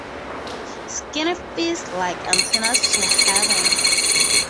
Skinny Fists Like Antennas to Heaven!